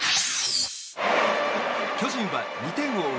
巨人は２点を追う